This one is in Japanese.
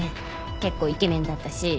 結構イケメンだったし。